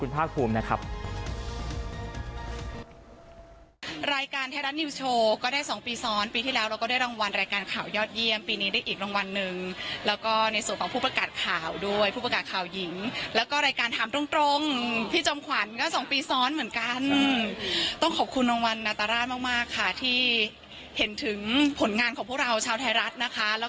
ไปฟังเสียงหน่อยละกันนะครับทั้งคุณเห็นมาสอนคุณภาคภูมินะครับ